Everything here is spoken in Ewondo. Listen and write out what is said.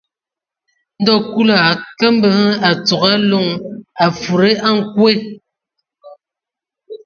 Ndo Kulu a akam a tsogo Aloŋ a ngafudi a nkwe.